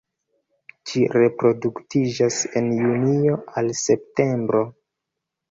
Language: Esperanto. Ĝi reproduktiĝas el junio al septembro.